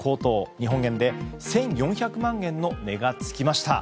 日本円で１４００万円の値が付きました。